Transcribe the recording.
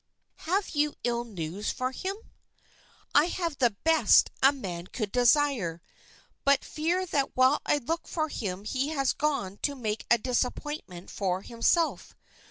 "Have you ill news for him?" "I have the best a man could desire; but fear that while I look for him he has gone to make a disappointment for himself.